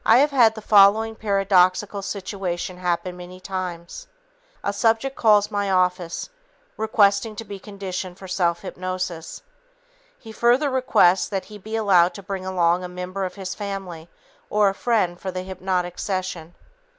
I have had the following paradoxical situation happen many times. A subject calls my office, requesting to be conditioned for self hypnosis. He further requests that he be allowed to bring along a member of his family or a friend for the hypnotic session.